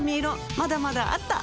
まだまだあった！